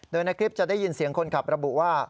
โดยในคลิปจะได้ยินเสียงคนขับระบุว่า